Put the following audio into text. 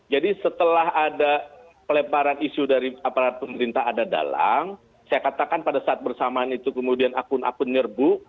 jadi setelah ada pelemparan isu dari aparat pemerintah ada dalang saya katakan pada saat bersamaan itu kemudian akun akun nyerbu